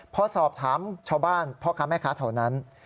พอสอบถามชาวบ้านพ่อค่ะแม่ค่ะเท่านั้น